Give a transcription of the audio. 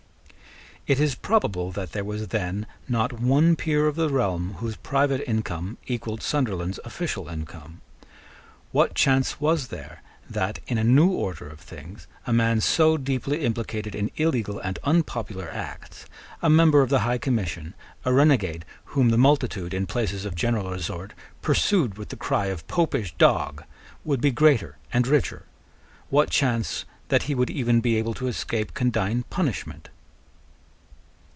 It is probable that there was then not one peer of the realm whose private income equalled Sunderland's official income. What chance was there that, in a new order of things, a man so deeply implicated in illegal and unpopular acts, a member of the High Commission, a renegade whom the multitude, in places of general resort, pursued with the cry of Popish dog, would be greater and richer? What chance that he would even be able to escape condign punishment?